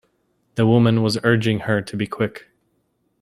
The woman was urging her to be quick.